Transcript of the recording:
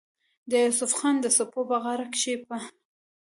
د يوسف خان د سپو پۀ غاړه کښې به